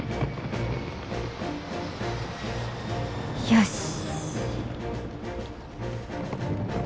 よし。